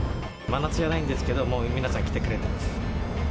真夏じゃないんですけど、もう皆さん来てくれてます。